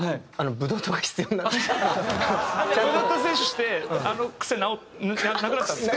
ブドウ糖摂取してあの癖なくなったんですか？